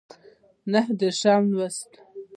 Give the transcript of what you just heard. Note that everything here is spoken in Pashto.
نهه دیرشم لوست